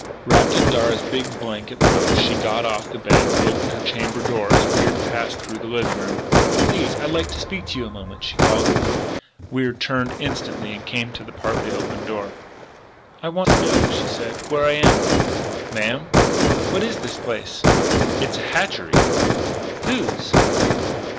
Wrapped in Darragh's big blanket robe she got off the bed and opened her chamber door as Wier was passing through the living room. "Please I'd like to speak to you a moment," she called. Wier turned instantly and came to the partly open door. "I want to know," she said, "where I am." "Ma'am?" "What is this place?" "It's a hatchery " "Whose?"